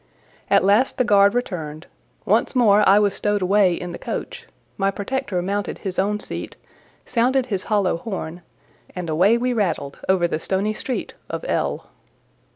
At last the guard returned; once more I was stowed away in the coach, my protector mounted his own seat, sounded his hollow horn, and away we rattled over the "stony street" of L——.